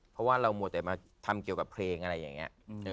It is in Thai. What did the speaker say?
เพราะว่าเรามัวแต่มาทำเกี่ยวกับเพลงอะไรอย่างนี้